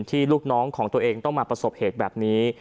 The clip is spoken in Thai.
ลูกน้องของตัวเองต้องมาประสบเหตุแบบนี้